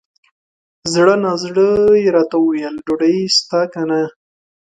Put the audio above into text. زړه نا زړه یې راته وویل ! ډوډۍ سته که نه؟